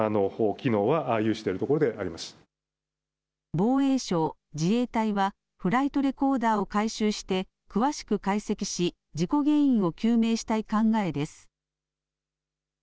防衛省・自衛隊はフライトレコーダーを回収して詳しく解析し事故原因を究明したい考えです。